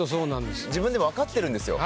自分でも分かってるんですよ。